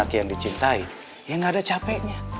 anak yang dicintai ya gak ada capeknya